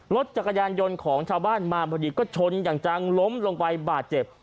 รถจักรยานยนต์ของชาวบ้านมาพอดีก็ชนอย่างจังล้มลงไปบาดเจ็บ